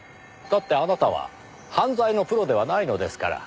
だってあなたは犯罪のプロではないのですから。